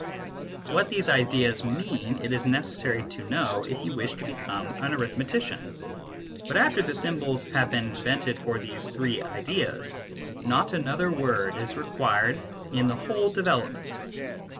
What these ideas mean, it is necessary to know if you wish to become an arithmetician. But after symbols have been invented for these three ideas, not another word is required in the whole development.